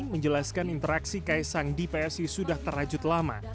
menjelaskan interaksi kaisang di psi sudah terajut lama